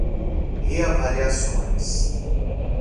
reavaliações